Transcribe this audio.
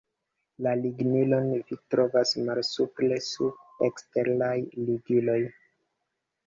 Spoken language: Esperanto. La ligilon vi trovos malsupre sub "Eksteraj ligiloj".